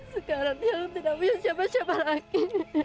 sekarang yang tidak punya siapa siapa lagi